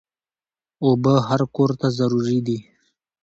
اوبه هر کور ته ضروري دي.